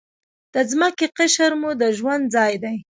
د ځمکې قشر مو د ژوند ځای دی.